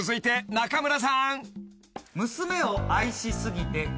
仲村さん